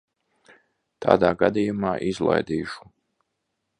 Tādā gadījumā izlaidīšu.